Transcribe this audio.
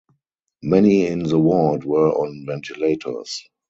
Many in the ward were on ventilators.